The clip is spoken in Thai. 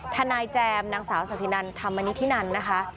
ธนายแจมนางสาวศาสินันทร์ทำวันนี้ที่นั้นนะคะ